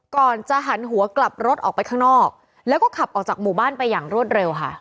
ก่อนจะหันหัวกลับรถออกไปข้างนอกแล้วก็ขับออกจากหมู่บ้านไปอย่างรวดเร็วค่ะ